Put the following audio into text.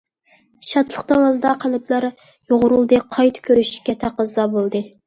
شادلىق دېڭىزىدا قەلبلەر يۇغۇرۇلدى، قايتا كۆرۈشۈشكە تەقەززا بولدى.